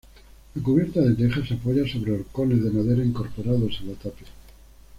La cubierta de tejas se apoya sobre horcones de madera incorporados a la tapia.